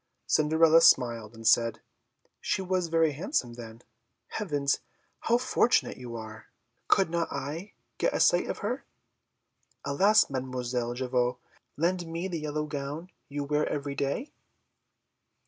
Cinderella smiled and said, "She was very handsome, then? Heavens! how fortunate you are! Could not I get a sight of her? Alas! Mademoiselle Javotte, lend me the yellow gown you wear every day?"